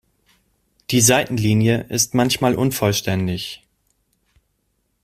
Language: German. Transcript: Die Seitenlinie ist manchmal unvollständig.